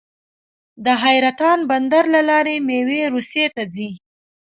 د حیرتان بندر له لارې میوې روسیې ته ځي.